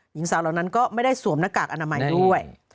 หญิงสาวเหล่านั้นก็ไม่ได้สวมหน้ากากอนามัยด้วย